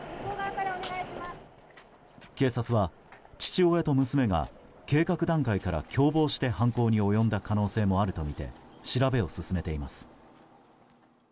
警察は、父親と娘が計画段階から共謀して犯行に及んだ可能性もあるとみて調べを進めています。